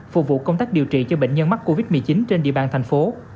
phục vụ công tác điều trị cho bệnh nhân mắc covid một mươi chín trên địa bàn thành phố